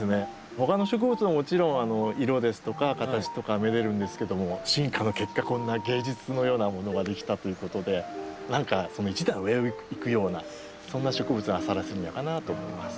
他の植物ももちろん色ですとか形とかめでるんですけども進化の結果こんな芸術のようなものができたということでその一段上をいくようなそんな植物がサラセニアかなと思います。